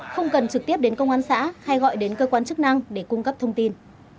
không cần trực tiếp đến công an xã hay gọi đến cơ quan chức năng để cung cấp thông tin